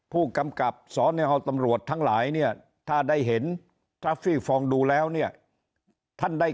ทำชายังไงว่าจะต้องเร่งแก้ปัญหาให้เขาตรงเนี่ยสำคัญ